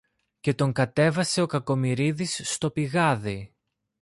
και τον κατέβασε ο Κακομοιρίδης στο πηγάδι.